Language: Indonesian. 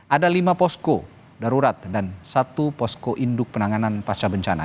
ada lima posko darurat dan satu posko induk penanganan pasca bencana